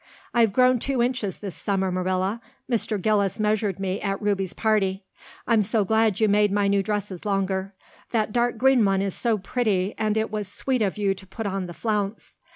I've grown two inches this summer, Marilla. Mr. Gillis measured me at Ruby's party. I'm so glad you made my new dresses longer. That dark green one is so pretty and it was sweet of you to put on the flounce.